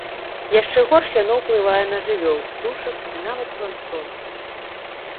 Яшчэ горш яно ўплывае на жывёл, птушак і нават планктон.